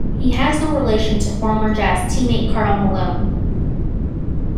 He has no relation to former Jazz teammate Karl Malone.